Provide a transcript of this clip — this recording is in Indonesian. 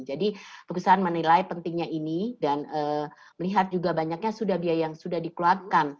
jadi perusahaan menilai pentingnya ini dan melihat juga banyaknya sudah biaya yang sudah dikeluarkan